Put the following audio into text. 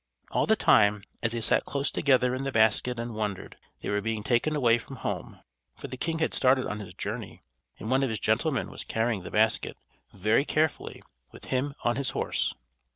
All the time, as they sat close together in the basket and wondered, they were being taken away from home; for the king had started on his journey, and one of his gentlemen was carrying the basket, very carefully, with him on his horse.